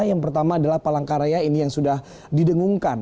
yang pertama adalah palangkaraya ini yang sudah didengungkan